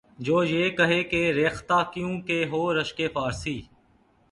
جو یہ کہے کہ ’’ ریختہ کیوں کہ ہو رشکِ فارسی؟‘‘